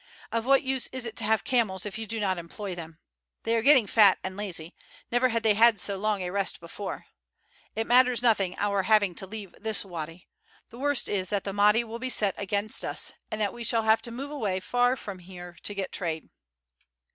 Of what use is it to have camels if you do not employ them. They are getting fat and lazy; never have they had so long a rest before. It matters nothing our having to leave this wady. The worst is that the Mahdi will be set against us, and that we shall have to move away far from here to get trade."